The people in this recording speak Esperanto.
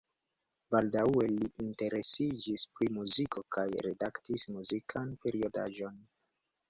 Baldaŭe li interesiĝis pri muziko kaj redaktis muzikan periodaĵon.